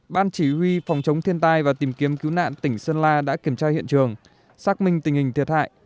ban chỉ huy phòng chống thiên tai và tìm kiếm cứu nạn tỉnh sơn la đã kiểm tra hiện trường xác minh tình hình thiệt hại